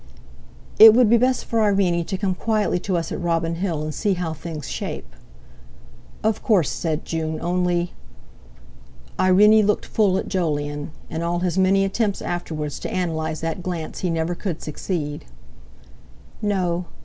"It would be best for Irene to come quietly to us at Robin Hill, and see how things shape." "Of course," said June; "only...." Irene looked full at Jolyon—in all his many attempts afterwards to analyze that glance he never could succeed. "No!